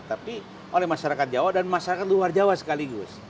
tapi oleh masyarakat jawa dan masyarakat luar jawa sekaligus